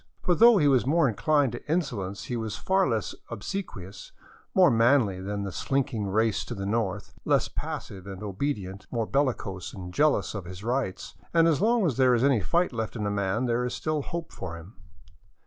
For though he was more incHned to insolence, he was far less obsequious, more manly than the slinking race to the north, less passive and obedient, more bellicose and jealous of his rights; and as long as there is any fight left in a man, there is still hope for him.